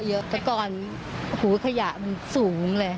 เยอะแต่ก่อนหูขยะมันสูงเลย